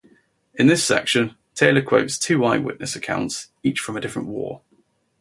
In this section, Taylor quotes two eyewitness accounts, each from a different war.